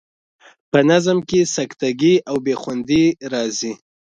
په نظم کې سکته ګي او بې خوندي راځي.